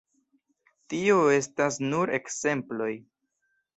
Tio estas nur ekzemploj.